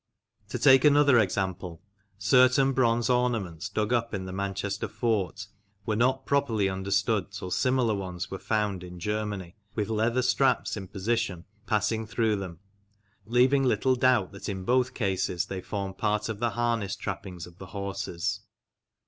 To take another example, certain bronze ornaments dug up in the Manchester fort were not properly understood till similar ones were found in Germany with leather straps in position passing through them, leaving little doubt that in both cases they formed part of the harness trappings of the horses.